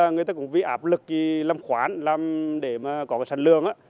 người ta cũng vì áp lực làm khoản để có sản lương